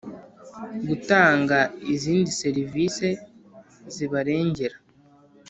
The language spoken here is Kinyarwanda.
gutanga izindi serivisi zibarengera